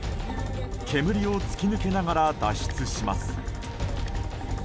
煙を突き抜けながら脱出します。